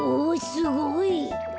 おすごい！